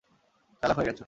চালাক হয়ে গেছো।